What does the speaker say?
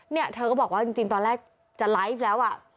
เธอก็บอกว่าจริงตอนแรกจะไลฟ์แล้ว